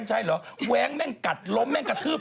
เสียยะจริงขึ้น